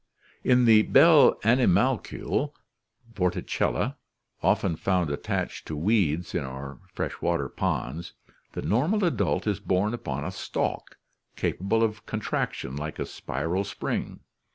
In the bell animalcule, Vorticella, often found attached to weeds in our fresh water ponds, the normal adult is borne upon a stalk, capable of contraction like a spiral spring.